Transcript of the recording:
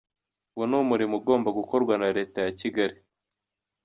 Uwo ni umurimo ugomba gukorwa na Leta ya Kigali.